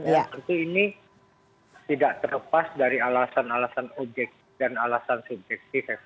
ya tentu ini tidak terlepas dari alasan alasan objektif dan alasan subjektif